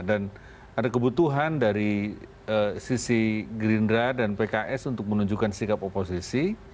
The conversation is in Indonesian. dan ada kebutuhan dari sisi gerindra dan pks untuk menunjukkan sikap oposisi